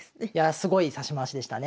すごい指し回しでしたね。